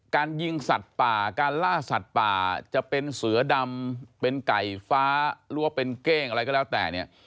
การยิงสัตว์ป่าการล่าสัตว์ป่าจะเป็นเสือดำเป็นไก่ฟ้าหรือว่าเป็นเก้งอะไรก็แล้วแต่เนี่ย